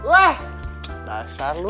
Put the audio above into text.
wah dasar lu